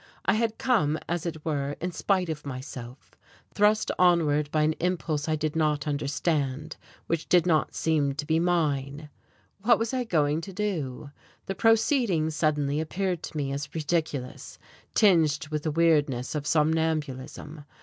I had come as it were in spite of myself, thrust onward by an impulse I did not understand, which did not seem to be mine. What was I going to do? The proceeding suddenly appeared to me as ridiculous, tinged with the weirdness of somnambulism.